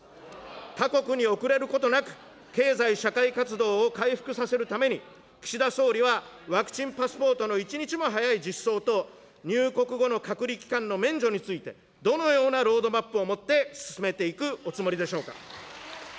他国に遅れることなく、経済・社会活動を回復させるために、岸田総理はワクチンパスポートの一日も早い実装と、入国後の隔離期間の免除について、どのようなロードマップを持って進めていくおつもりでしょうか。